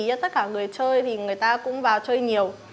tất cả người chơi thì người ta cũng vào chơi nhiều